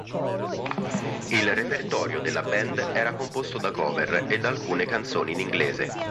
Il repertorio della band era composto da cover e da alcune canzoni in inglese.